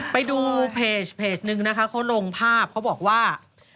ไปดูเพจนึงนะคะเขาลงภาพเขาบอกว่า